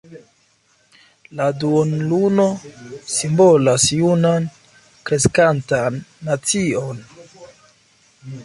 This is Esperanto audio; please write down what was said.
La duonluno simbolas junan kreskantan nacion.